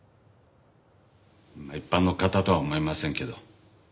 まあ一般の方とは思いませんけど。